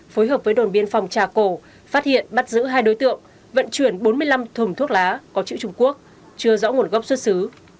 phối hợp với đồn biên phòng trà cổ phát hiện bắt giữ hai đối tượng vận chuyển bốn mươi năm thùng thuốc lá có chữ trung quốc chưa rõ nguồn gốc xuất xứ